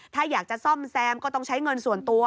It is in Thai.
ถ้าอยากจะซ่อมแซมก็ต้องใช้เงินส่วนตัว